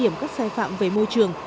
các cơ quan chức năng sai phạm về môi trường